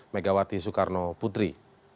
megawati soekarno putri